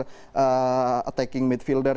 mencari pemain ataking midfielder